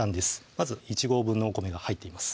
まず１合分のお米が入っています